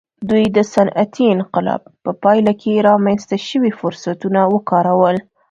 دوی د صنعتي انقلاب په پایله کې رامنځته شوي فرصتونه وکارول.